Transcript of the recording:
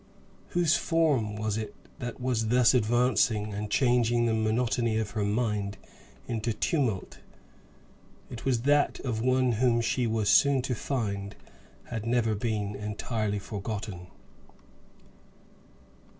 Whose form was it that was thus advancing and changing the monotony of her mind into tumult? It was that of one whom she was soon to find had never been entirely forgotten.